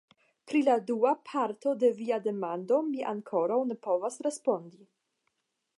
Pri la dua parto de via demando mi ankoraŭ ne povas respondi.